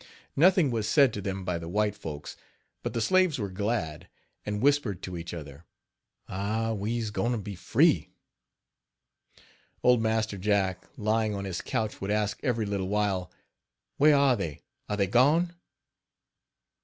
Nothing was said to them by the white folks, but the slaves were glad, and whispered to each other: "Ah! we's goin' to be free." Old Master Jack, lying on his couch would ask every little while: "Where are they? Are they gone?